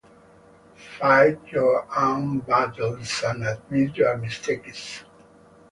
Fight your own battles and admit your mistakes.